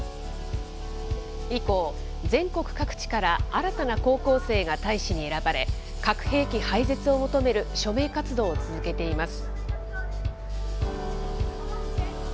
以降、全国各地から新たな高校生が大使に選ばれ、核兵器廃絶を求める署名活動を続けています。